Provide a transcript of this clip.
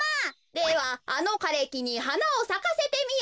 「ではあのかれきにはなをさかせてみよ」。